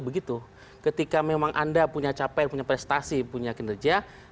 begitu ketika memang anda punya capeknya prestasi punya kinerja saya plus kayak agak